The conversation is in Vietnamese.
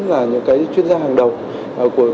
là những cái chuyên gia hàng đầu